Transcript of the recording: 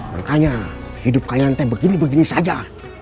makanya hidup kalian kayak begini begini saja